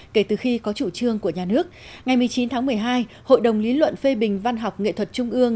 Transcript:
kể từ khi có chủ trương của nhà nước ngày một mươi chín tháng một mươi hai hội đồng lý luận phê bình văn học nghệ thuật trung ương